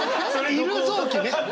いる臓器！